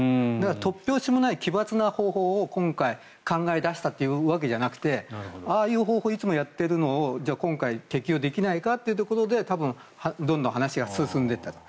突拍子もない奇抜な方法を今回考え出したというわけではなくてああいう方法をいつもやっているのを今回適用できないかということで多分、どんどん話が進んでいったと。